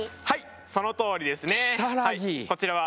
はいそのとおりですね。